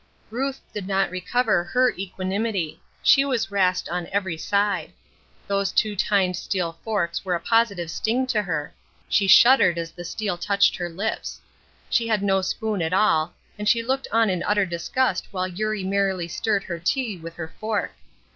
Ruth did not recover her equanimity. She was rasped on every side. Those two tined steel forks were a positive sting to her. She shuddered as the steel touched her lips. She had no spoon at all, and she looked on in utter disgust while Eurie merrily stirred her tea with her fork.